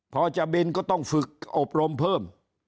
พอจะบินก็ต้องฝึกอบรมเพิ่ม